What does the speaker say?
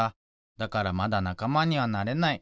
だからまだなかまにはなれない。